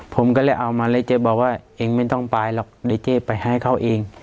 ผมก็เลยเอามาเลยเจ๊บอกว่าเองไม่ต้องไปหรอกเดี๋ยวเจ๊ไปให้เขาเอง